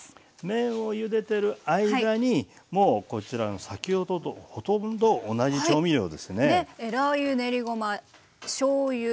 麺をゆでてる間にもうこちらの先ほどとほとんど同じ調味料ですね。